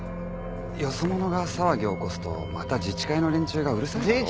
よそ者が騒ぎを起こすとまた自治会の連中がうるさいだろ。